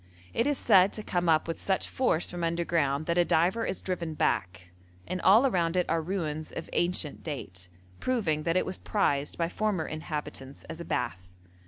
It is said to come up with such force from underground that a diver is driven back, and all around it are ruins of ancient date, proving that it was prized by former inhabitants as a bath.